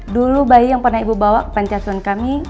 dulu bayi yang pernah ibu bawa ke pantiasuhan kami